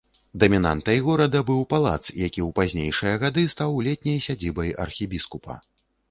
Дамінантай горада быў палац, які ў пазнейшыя гады стаў летняй сядзібай архібіскупа.